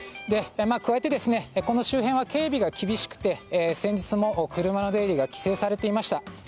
加えて、この周辺は警備が厳しくて先日も車の出入りが規制されていました。